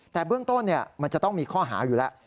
แต่เบื้องต้นมันจะต้องมีข้อหาอยู่แล้ว